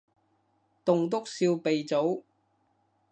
棟篤笑鼻祖